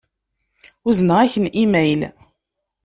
Uzneɣ-ak-n imayl.